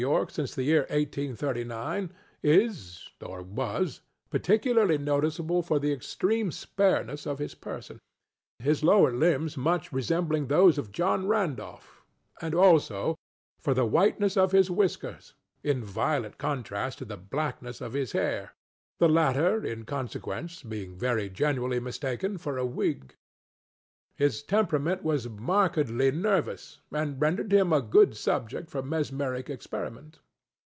Y., since the year 1839, is (or was) particularly noticeable for the extreme spareness of his personŌĆöhis lower limbs much resembling those of John Randolph; and, also, for the whiteness of his whiskers, in violent contrast to the blackness of his hairŌĆöthe latter, in consequence, being very generally mistaken for a wig. His temperament was markedly nervous, and rendered him a good subject for mesmeric experiment.